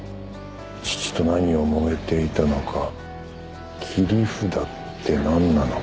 「父と何をもめていたのか切り札ってなんなのか」